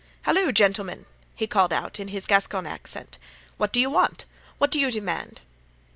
"Halloo, gentlemen!" he called out in his Gascon accent, "what do you want? what do you demand?"